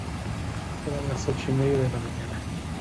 Eran las ocho y media de la mañana.